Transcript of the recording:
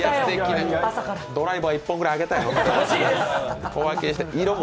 ドライバー１本ぐらいあげたい。